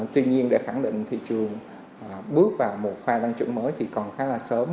tuy nhiên để khẳng định thị trường bước vào một pha tăng trưởng mới thì còn khá là sớm